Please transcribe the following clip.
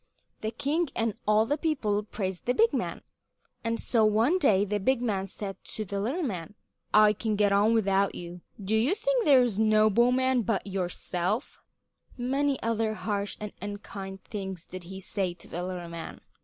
The king and all the people praised the big man, and so one day the big man said to the little man: "I can get on without you. Do you think there's no bowman but yourself?" Many other harsh and unkind things did he say to the little man.